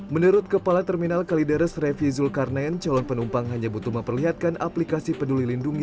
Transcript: menurut kepala terminal kalideres revi zulkarnain calon penumpang hanya butuh memperlihatkan aplikasi peduli lindungi